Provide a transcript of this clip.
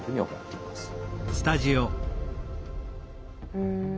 うん。